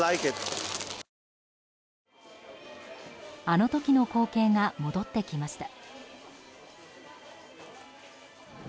あの時の光景が戻ってきました。